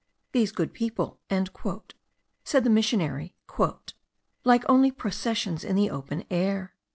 "These good people," said the missionary, "like only processions in the open air.